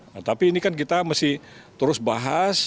nah tapi ini kan kita masih terus bahas